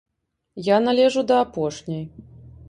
Я належу да апошняй.